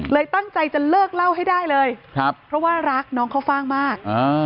ตั้งใจจะเลิกเล่าให้ได้เลยเพราะว่ารักน้องข้าวฟ่างมาก